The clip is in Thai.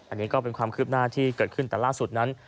อันนี้ก็เป็นความคืบหน้าที่เกิดขึ้นแต่ล่าสุดนั้น